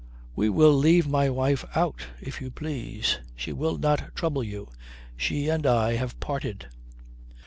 "We will leave my wife out, if you please. She will not trouble you. She and I have parted."